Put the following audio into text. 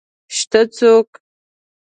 شته څوک؟